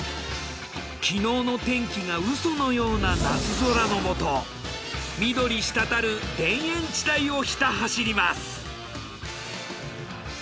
昨日の天気がウソのような夏空のもと緑したたる田園地帯をひた走ります。